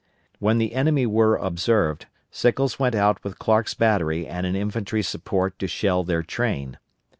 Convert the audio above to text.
When the enemy were observed, Sickles went out with Clark's battery and an infantry support to shell their train.